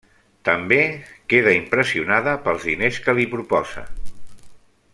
També queda impressionada pels diners que li proposa.